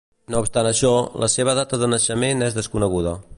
No obstant això, la seva data de naixement és desconeguda.